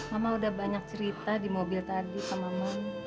mama udah banyak cerita di mobil tadi sama mama